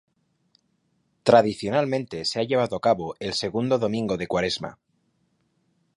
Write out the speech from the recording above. Tradicionalmente se ha llevado a cabo el segundo domingo de cuaresma.